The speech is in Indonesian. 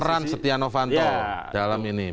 peran setia novanto dalam ini